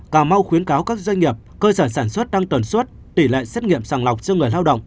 cà mau khuyến cáo các doanh nghiệp cơ sở sản xuất đang tuần suốt tỷ lệ xét nghiệm sàng lọc cho người lao động